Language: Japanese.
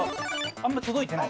あんまり届いていない。